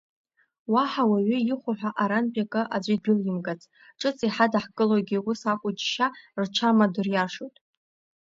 Уаҳа уаҩы ихәо ҳәа арантәи акы аӡәы идәылимгац, ҿыц иҳадаҳкылогьы ус акәу џьшьа рҽамадыриашоит…